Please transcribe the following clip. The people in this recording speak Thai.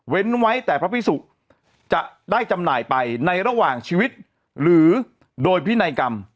ไว้แต่พระพิสุจะได้จำหน่ายไปในระหว่างชีวิตหรือโดยพินัยกรรม